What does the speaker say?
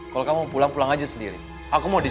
kalau kamu pulang pulang aja sendiri aku mau dia